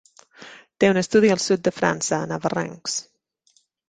Té un estudi al sud de França a Navarrenx.